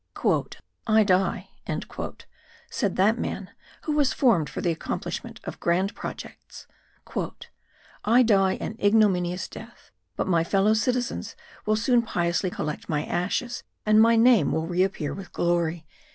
"I die," said that man, who was formed for the accomplishment of grand projects, "I die an ignominious death; but my fellow citizens will soon piously collect my ashes, and my name will reappear with glory."